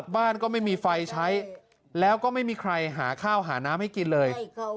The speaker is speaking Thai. บ้านก็ไม่มีไฟใช้แล้วก็ไม่มีใครหาข้าวหาน้ำให้กินเลย